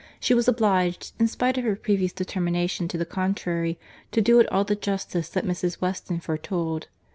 She was obliged, in spite of her previous determination to the contrary, to do it all the justice that Mrs. Weston foretold.